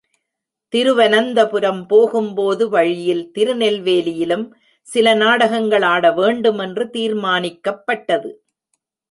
திருவனந்தபுரம் போகும் போது வழியில் திருநெல்வேலியிலும் சில நாடகங்கள் ஆடவேண்டுமென்று தீர்மானிக்கப்பட்டது.